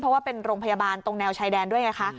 เพราะว่าเป็นโรงพยาบาลตรงแนวชายแดนด้วยไงคะ